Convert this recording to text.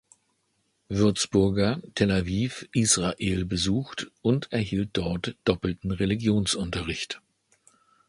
Würzburger, Tel Aviv, Israel besucht und erhielt dort doppelten Religionsunterricht.